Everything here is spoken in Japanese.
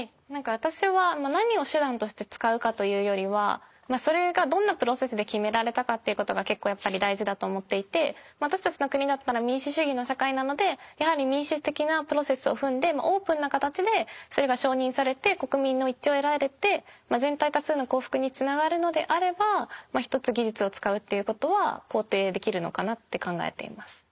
私は何を手段として使うかというよりはそれがどんなプロセスで決められたかっていうことが結構やっぱり大事だと思っていて私たちの国だったら民主主義の社会なのでやはり民主的なプロセスを踏んでオープンな形でそれが承認されて国民の一致を得られて全体多数の幸福につながるのであれば一つ技術を使うっていうことは肯定できるのかなって考えています。